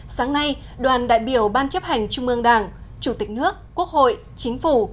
sáng nay đoàn đại biểu ban chấp hành trung ương đảng chủ tịch nước quốc hội chính phủ